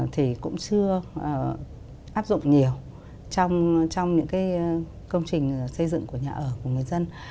thì cũng chưa áp dụng nhiều trong những công trình xây dựng của nhà ở của người dân